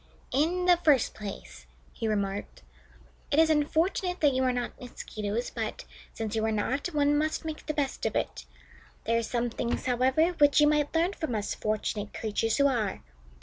"In the first place," he remarked, "it is unfortunate that you are not Mosquitoes, but, since you are not, one must make the best of it. There are some things, however, which you might learn from us fortunate creatures who are.